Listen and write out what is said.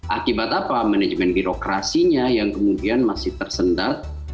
akibat apa manajemen birokrasinya yang kemudian masih tersendat